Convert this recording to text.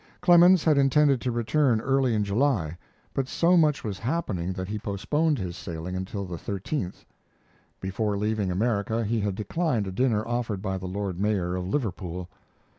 Clemens had intended to return early in July, but so much was happening that he postponed his sailing until the 13th. Before leaving America, he had declined a dinner offered by the Lord Mayor of Liverpool.